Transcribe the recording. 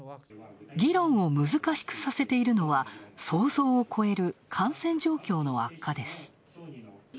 議論を難しくさせているのは想像を超える感染状況の悪化です。